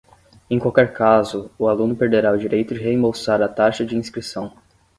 Em qualquer caso, o aluno perderá o direito de reembolsar a taxa de inscrição.